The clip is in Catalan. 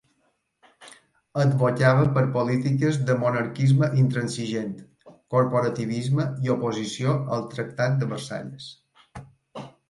Advocava per polítiques de monarquisme intransigent, corporativisme i oposició al Tractat de Versalles.